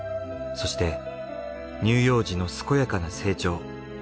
そして乳幼児の健やかな成長。